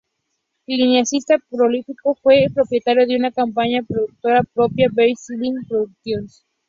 Cineasta prolífico, fue propietario de una compañía productora propia, Ben Wilson Productions.